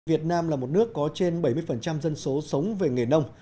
việt nam là một nước có trên bảy mươi dân số sống về nghề nông